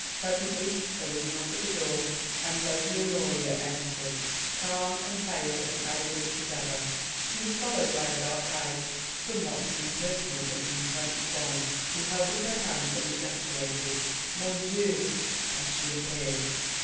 Presently there was a knock at the door and Lady Honoria entered, calm and pale and elegant as ever. She was followed by a dark eyed somewhat impertinent looking French bonne, who held up her hands and ejaculated, "Mon Dieu!" as she appeared.